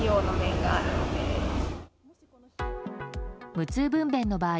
無痛分娩の場合